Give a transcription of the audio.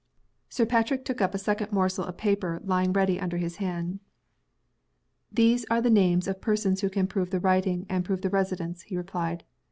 Sir Patrick took up a second morsel of paper lying ready under his hand. "There are the names of persons who can prove the writing, and prove the residence," he replied.